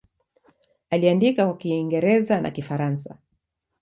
Aliandika kwa Kiingereza na Kifaransa.